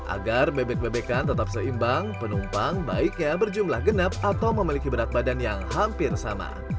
agar bebek bebekan tetap seimbang penumpang baiknya berjumlah genap atau memiliki berat badan yang hampir sama